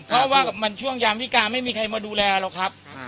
เพราะว่ามันช่วงยามพิการไม่มีใครมาดูแลหรอกครับ